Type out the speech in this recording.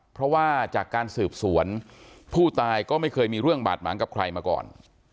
เพราะว่าจากการสืบสวนผู้ตายก็ไม่เคยมีเรื่องบาดหมางกับใครมาก่อน